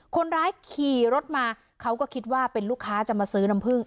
คนร้ายขี่รถมาเขาก็คิดว่าเป็นลูกค้าจะมาซื้อน้ำผึ้ง